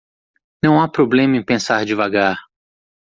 Não há problema em pensar devagar